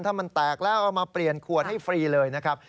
ถ้ามันแตกแล้วเอามาเปลี่ยนขวดให้ฟรีเลยนะครับ